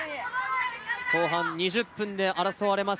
後半２０分で争われます。